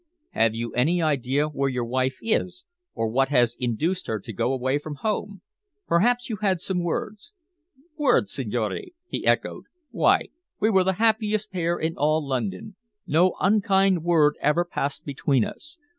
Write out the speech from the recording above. "Have you any idea where your wife is, or what has induced her to go away from home? Perhaps you had some words!" "Words, signore!" he echoed. "Why, we were the happiest pair in all London. No unkind word ever passed between us.